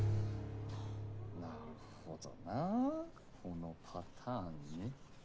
なるほどなこのパターンね。